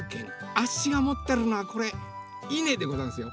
あっしがもってるのはこれいねでござんすよ！